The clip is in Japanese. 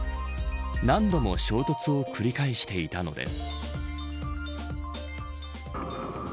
何度も衝突を繰り返していたのです。